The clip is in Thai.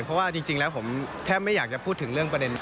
เพราะว่าจริงแล้วผมแค่ไม่อยากจะพูดถึงเรื่องประเด็น